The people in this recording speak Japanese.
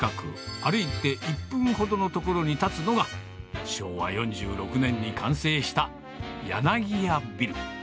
歩いて１分ほどの所に建つのが、昭和４６年に完成した柳屋ビル。